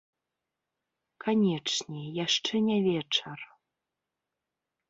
Канечне, яшчэ не вечар.